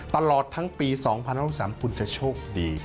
ตลอดทั้งปี๒๐๖๓คุณจะโชคดี